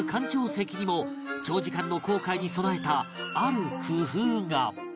席にも長時間の航海に備えたある工夫が